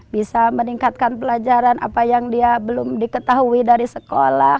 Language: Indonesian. bisa meningkatkan pelajaran apa yang dia belum diketahui dari sekolah